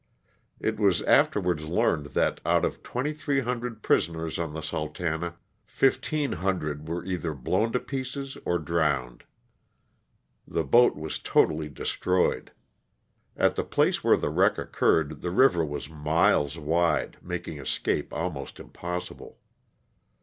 It was afterwards learned that out of 2,300 prisoners on the "Sultana" 1,500 were either blown to pieces or drowned. The boat was totally destroyed. At the place where the wreck occurred the river was miles wide, making escape almost impossible.